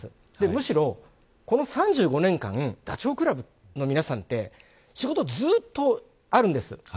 むしろ、この３５年間ダチョウ倶楽部の皆さんは仕事がずっとあるんです。